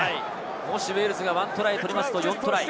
もしウェールズが１トライを取ると４トライ。